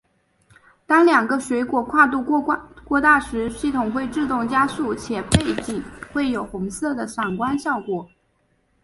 当两个水果跨度过大时系统会自动加速且背景会有红色的闪光效果。